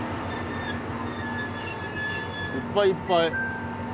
いっぱいいっぱい。